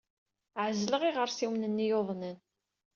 Ɛezleɣ iɣersiwen-nni yuḍnen.